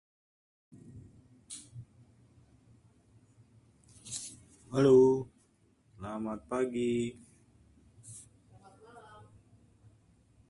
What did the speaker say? A single tree may contribute up to two litres per day.